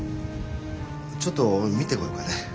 ちょっと見てこようかね。